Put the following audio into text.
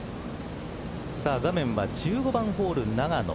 画面は１５番ホール、永野。